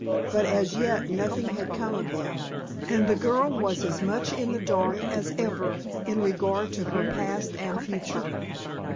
But as yet nothing had come of them, and the girl was as much in the dark as ever in regard to her past and future.